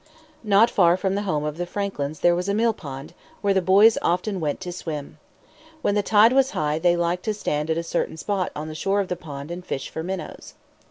Not far from the home of the Franklins there was a millpond, where the boys often went to swim. When the tide was high they liked to stand at a certain spot on the shore of the pond and fish for minnows.